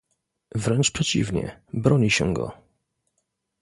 Wręcz przeciwnie - broni się go